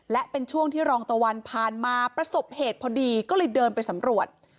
และเป็นช่วงที่รองตะวันผ่านมาประสบเหตุพอดีก็เลยเดินไปสำรวจ